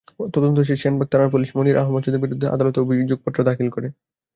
তদন্ত শেষে সেনবাগ থানার পুলিশ মনির আহমঞ্চদের বিরুদ্ধে আদালতে অভিযোগপত্র দাখিল করে।